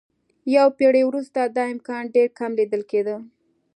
یوه پېړۍ وروسته دا امکان ډېر کم لیدل کېده.